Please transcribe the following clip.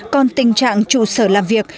còn tình trạng trụ sở làm việc